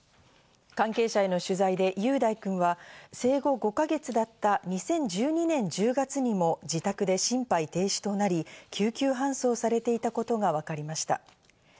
関係者への取材で雄大くんは生後５か月だった２０１２年１０月にも自宅で心肺停止となり、救急搬送されていたことがわかりました。